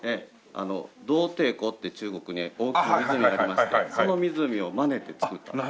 洞庭湖って中国に大きな湖がありましてその湖をまねて造ったんです。